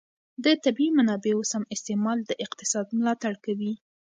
د طبیعي منابعو سم استعمال د اقتصاد ملاتړ کوي.